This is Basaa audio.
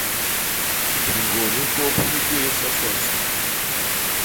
Hiñgôn hi kôp hi gwéé soso nsôn.